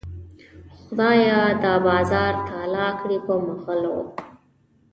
خدایه دا بازار تالا کړې په مغلو.